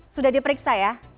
sudah diperiksa ya